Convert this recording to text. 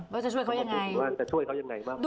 ก็จะช่วยเขายังไง